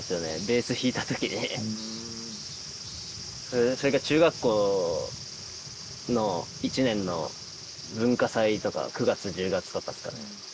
ベース弾いた時にそれが中学校の１年の文化祭とか９月１０月とかっすかね